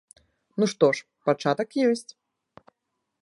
Ну што ж, пачатак ёсць!